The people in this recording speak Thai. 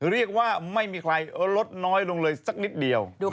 เรียกว่าไม่มีใครลดน้อยลงเลยสักนิดเดียว